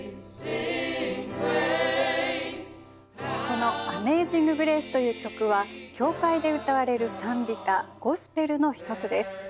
この「アメージング・グレース」という曲は教会で歌われる賛美歌ゴスペルの一つです。